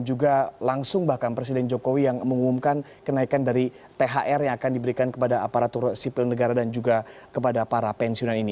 juga langsung bahkan presiden jokowi yang mengumumkan kenaikan dari thr yang akan diberikan kepada aparatur sipil negara dan juga kepada para pensiunan ini